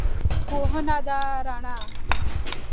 پوهنه ده رڼا